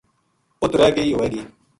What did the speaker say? اُت رہ گئی ہووے گی